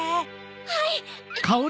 はい！